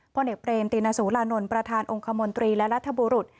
ผลเอกเปรมตินสุรานนท์ประธานองค์คมนตรีและรัฐบุรุษ